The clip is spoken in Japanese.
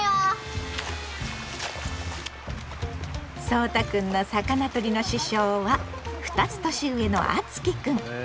そうたくんの魚とりの師匠は２つ年上のあつきくん。